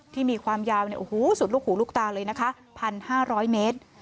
มีความยาวสุดลูกหูลูกตาเลยนะคะ๑๕๐๐เมตร